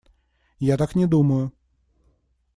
Я так не думаю.